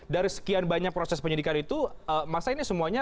dari sekian banyak proses penyelidikan itu